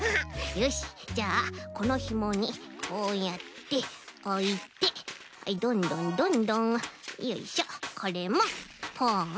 よしじゃあこのひもにこうやっておいてどんどんどんどんよいしょこれもポン。